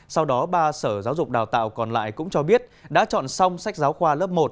sau đó ba sở giáo dục đào tạo còn lại cũng cho biết đã chọn xong sách giáo khoa lớp một